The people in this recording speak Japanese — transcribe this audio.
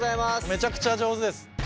めちゃくちゃ上手です。